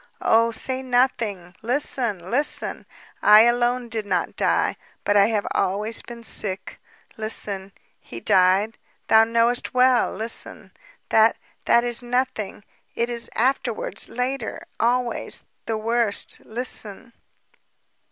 Oh, say nothing ... listen, listen. I, I alone did not die ... but I have always been sick. Listen ... He died thou knowest well ... listen ... that, that is nothing. It is afterwards, later ... always ... the worst ... listen.